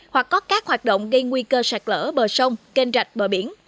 hoặc có các hoạt động gây nguy cơ sạt lỡ bờ sông kênh rạch bờ biển